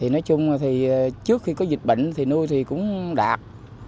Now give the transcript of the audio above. nói chung thì trước khi có dịch bệnh thì nuôi thì cũng đạt